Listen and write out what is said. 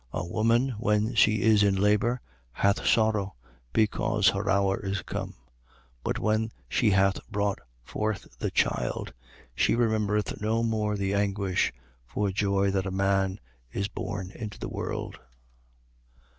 16:21. A woman, when she is in labour, hath sorrow, because her hour is come; but when she hath brought forth the child, she remembereth no more the anguish, for joy that a man is born into the world.